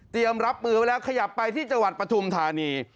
เตรียมรับมือแล้วขยับไปที่จังหวัดปฐุมธานี